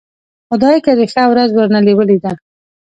خدايکه دې ښه ورځ ورنه ولېده.